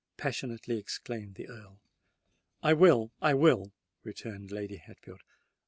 passionately exclaimed the Earl. "I will—I will," returned Lady Hatfield.